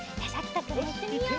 よしいってみよう！